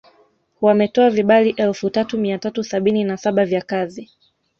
Wametoa vibali elfu tatu mia tatu sabini na saba vya kazi